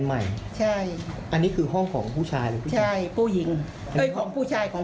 ใหม่อันนี้คือร่องของผู้ชายใช่ผู้หญิงของผู้ชายของ